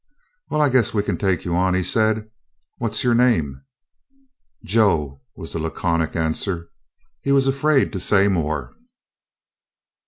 "Well, I guess we can take you on," he said. "What 's your name?" "Joe," was the laconic answer. He was afraid to say more.